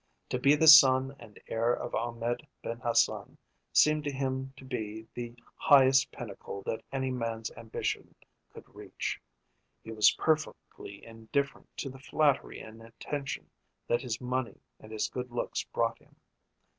To be the son and heir of Ahmed Ben Hassan seemed to him to be the highest pinnacle that any man's ambition could reach. He was perfectly indifferent to the flattery and attention that his money and his good looks brought him.